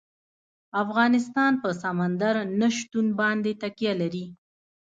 افغانستان په سمندر نه شتون باندې تکیه لري.